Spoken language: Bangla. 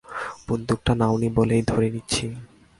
বন্দুকটা নাওনি বলেই ধরে নিচ্ছি?